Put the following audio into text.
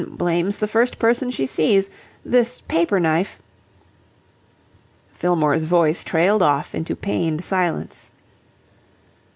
blames the first person she sees... This paper knife..." Fillmore's voice trailed off into pained silence.